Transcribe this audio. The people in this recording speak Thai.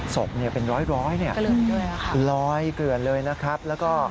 ศพเป็นร้อยเนี่ยลอยเกลือนเลยนะครับแล้วก็